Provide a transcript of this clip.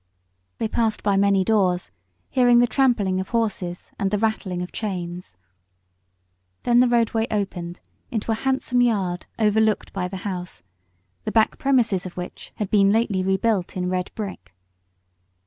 They passed by many doors, hearing the trampling of horses and the rattling of chains. Then the roadway opened into a handsome yard overlooked by the house, the back premises of which had been lately rebuilt in red brick.